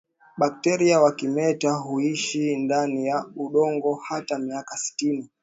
Bakteria wa kimeta huishi ndani ya udongo hata miaka sitini